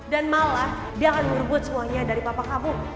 dan malah dia akan merebut semuanya dari papa kamu